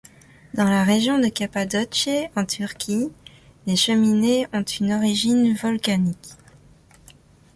Dans la région de Cappadoce en Turquie, les cheminées ont une origine volcanique.